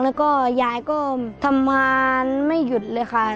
แล้วก็ยายก็ทำงานไม่หยุดเลยค่ะ